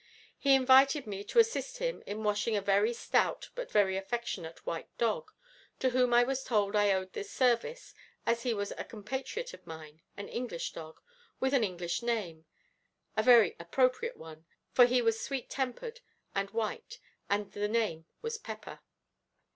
He invited me to assist him in washing a very stout but very affectionate white dog, to whom I was told I owed this service as he was a compatriot of mine, an English dog, with an English name: a very inappropriate one, for he was sweet tempered and white, and the name was Pepper.